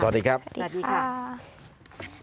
สวัสดีครับสวัสดีค่ะ